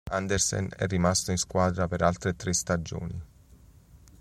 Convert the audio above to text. Andersen è rimasto in squadra per altre tre stagioni.